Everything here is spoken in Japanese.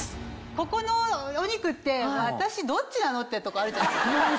ここのお肉って「私どっちなの？」ってとこあるじゃないですか。